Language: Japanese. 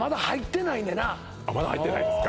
まだ入ってないですか